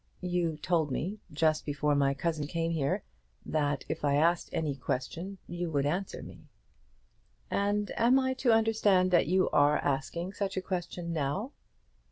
"You told me, just before my cousin came here, that if I asked any question you would answer me." "And I am to understand that you are asking such a question now?"